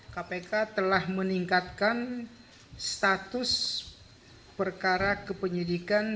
kpk telah meningkatkan status perkara kepenyidikan